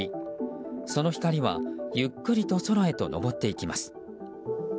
その光はゆっくりと空へと上っていきます。